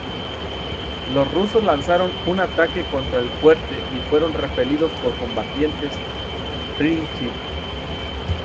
Los rusos lanzaron un ataque contra el fuerte y fueron repelidos por combatientes tlingit.